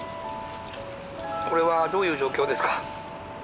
これはどういう状況ですか？